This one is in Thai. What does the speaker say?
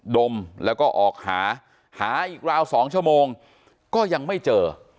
ดมแล้วก็ออกหาหาอีกราว๒ชั่วโมงก็ยังไม่เจอ